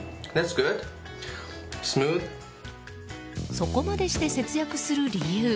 そこまでして節約する理由。